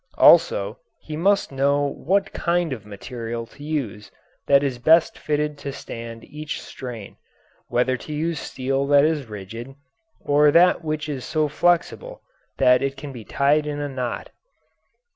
Also he must know what kind of material to use that is best fitted to stand each strain, whether to use steel that is rigid or that which is so flexible that it can be tied in a knot.